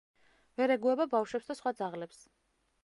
ვერ ეგუება ბავშვებს და სხვა ძაღლებს.